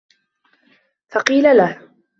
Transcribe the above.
فَقِيلَ لَهُ